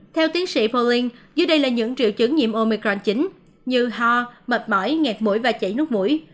theo tiến sĩ poling dưới đây là những triệu chứng nhiễm omicron chính như ho mệt mỏi nghẹt mũi và chảy nút mũi